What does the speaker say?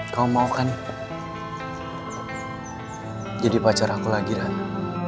kamu mau kan jadi pacar aku lagi rara